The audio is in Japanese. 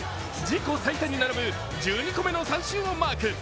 自己最多に並ぶ１２個目の三振をマーク。